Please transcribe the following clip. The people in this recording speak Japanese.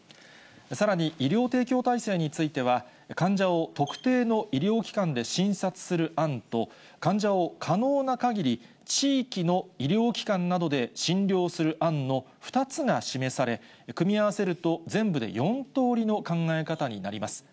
さらに医療提供体制については、患者を特定の医療機関で診察する案と、患者を可能なかぎり地域の医療機関などで診療する案の２つが示され、組み合わせると全部で４通りの考え方になります。